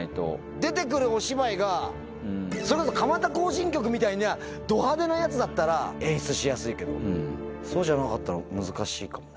出てくるお芝居がそれこそ、蒲田行進曲みたいなド派手なやつだったら、演出しやすいけど、そうじゃなかったら難しいかもね。